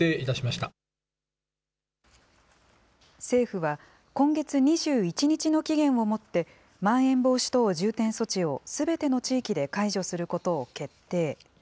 政府は、今月２１日の期限をもって、まん延防止等重点措置をすべての地域で解除することを決定。